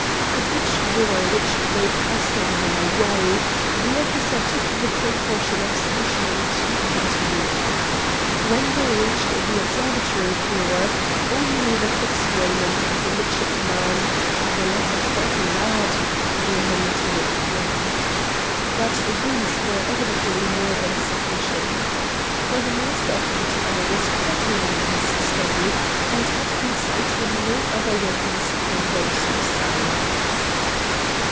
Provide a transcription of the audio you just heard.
At each door which they passed on their way the officer took the precaution of stationing two armed men. When he reached the observatory floor only the coxswain and the midshipman the latter quite a lad remained with him. But these were evidently more than sufficient. For the Master of the tower was quite alone in his study and had beside him no other weapons than those of science.